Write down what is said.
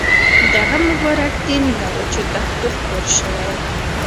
دغه مبارک دین له وچو دښتو خپور شوی.